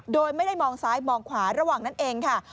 โดยไม่ได้มองซ้ายมองขวาระหว่างนั้นเองค่ะ